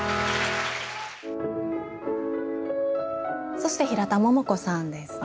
そして平田桃子さんですね。